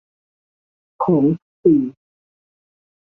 ของทุกปี